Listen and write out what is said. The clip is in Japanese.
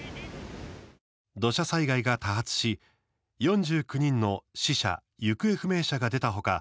土砂災害が多発し、４９人の死者・行方不明者が出た他